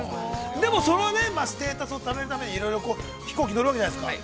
でも、それはねまあ、ステータスをためるためにいろいろこう飛行機に乗るわけじゃないですか。